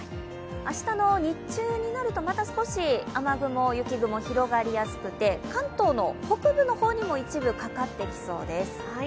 明日の日中になるとまた少し雨雲、雪雲広がりやすくて関東の北部の方にも一部、かかってきそうです。